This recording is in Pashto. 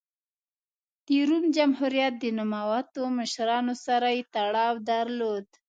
د روم جمهوریت د نوموتو مشرانو سره یې تړاو درلود